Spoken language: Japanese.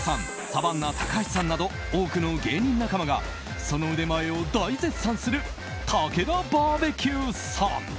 サバンナ高橋さんなど多くの芸人仲間がその腕前を大絶賛するたけだバーベキューさん。